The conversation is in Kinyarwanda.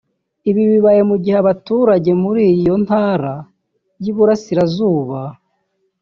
Ibi bibaye mu gihe abaturage muri iyo ntara y’Iburasirazuba